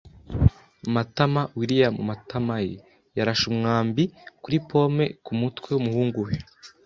[Matama] William Matamaell yarashe umwambi kuri pome kumutwe wumuhungu we.